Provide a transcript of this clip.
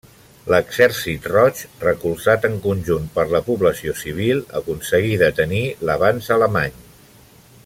L'Exèrcit Roig, recolzar en conjunt per la població civil, aconseguí detenir l'avanç alemany.